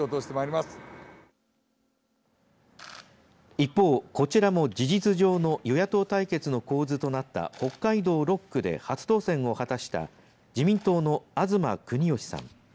一方、こちらも事実上の与野党対決の構図となった北海道６区で初当選を果たした自民党の東国幹さん。